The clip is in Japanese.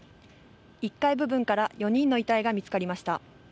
１階部分から４人の遺体が見つかりました。